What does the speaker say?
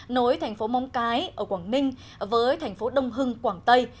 nối thành phố móng cái ở quảng ninh với thành phố đông hưng quảng tây